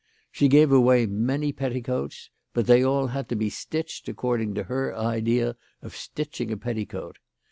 She gave away many petticoats ; but they all had to be stitched according to her idea of stitching a petticoat.